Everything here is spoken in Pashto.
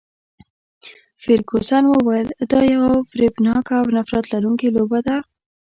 فرګوسن وویل، دا یوه فریبناکه او نفرت لرونکې لوبه ده.